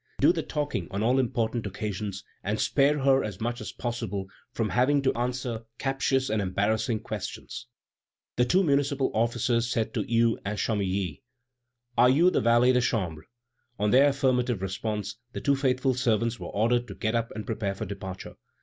Do the talking on all important occasions, and spare her as much as possible from having to answer captious and embarrassing questions.'" The two municipal officers said to Hue and Chamilly: "Are you the valets de chambre?" On their affirmative response, the two faithful servants were ordered to get up and prepare for departure.